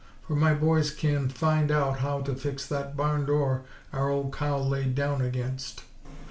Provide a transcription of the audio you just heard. For my boys can find out how to fix thot barn door our old cow laid down against."